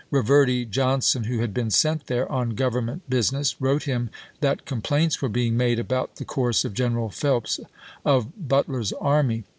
Reverdy Johnson, who had been sent there on Government business, wrote him that complaints were being made about the course of General Phelps of Butler's army.